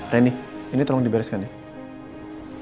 reni ini tolong dibereskan ya